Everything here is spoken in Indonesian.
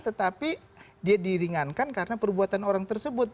tetapi dia diringankan karena perbuatan orang tersebut